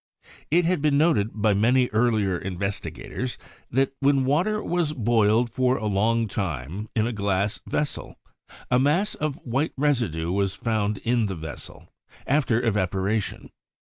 It had been noted by many earlier investigators, that when water was boiled for a long time in a glass vessel, a mass of white residue was found in the vessel after evapo ration.